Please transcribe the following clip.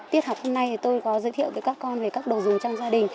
tiết học hôm nay tôi có giới thiệu với các con về các đồ dùng trong gia đình